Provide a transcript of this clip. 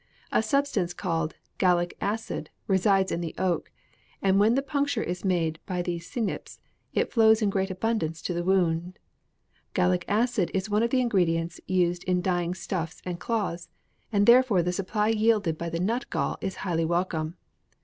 A substance called "gallic acid" resides in the oak; and when the puncture is made by the cynips, it flows in great abundance to the wound. Gallic acid is one of the ingredients used in dyeing stuffs and cloths, and therefore the supply yielded by the nut gall is highly welcome.